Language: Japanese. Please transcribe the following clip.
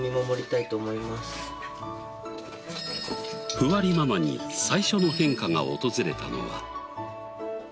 ふわりママに最初の変化が訪れたのは。